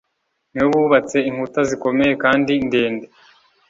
ni we wubatse inkuta zikomeye kandi ndende